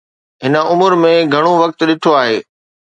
هن عمر ۾ گهڻو وقت ڏٺو آهي.